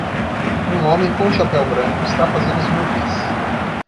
Um homem com um chapéu branco está fazendo smoothies.